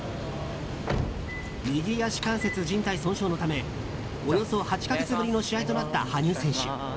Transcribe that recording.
右足関節じん帯損傷のためおよそ８か月ぶりの試合となった羽生選手。